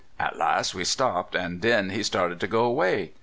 At las' we stopped, an' den he started to go 'way.